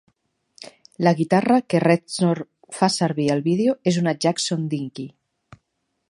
La guitarra que Reznor fa servir al vídeo és una Jackson Dinky.